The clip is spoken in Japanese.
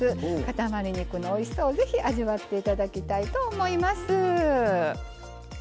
塊肉のおいしさをぜひ味わって頂きたいと思います。